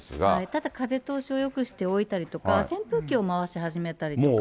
ただ風通しをよくしておいたりとか、扇風機を回し始めたりとか。